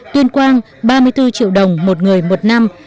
tuyên quang ba mươi bốn triệu đồng một người một năm